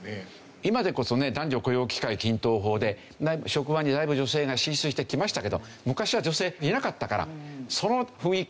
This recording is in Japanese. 今でこそね男女雇用機会均等法で職場にだいぶ女性が進出してきましたけど昔は女性いなかったからその雰囲気